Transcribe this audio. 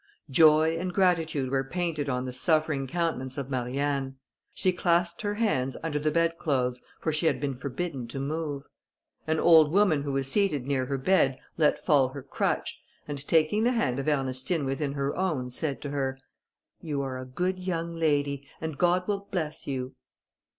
Joy and gratitude were painted on the suffering countenance of Marianne; she clasped her hands under the bedclothes, for she had been forbidden to move. An old woman who was seated near her bed, let fall her crutch, and taking the hand of Ernestine within her own, said to her, "You are a good young lady, and God will bless you."